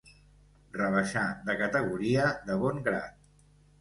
Rebaixar de categoria, de bon grat.